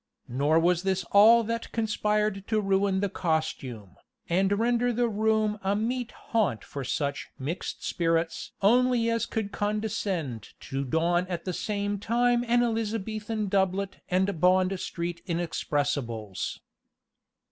Nor was this all that conspired to ruin the costume, and render the room a meet haunt for such "mixed spirits" only as could condescend to don at the same time an Elizabethan doublet and Bond Street inexpressibles.